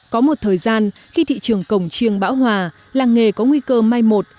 có một thời gian khi thị trường cổng chiêng bão hòa làng nghề có nguy cơ mai một